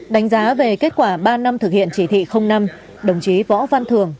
đánh giá về kết quả ba năm thực hiện chỉ thị năm đồng chí võ văn thường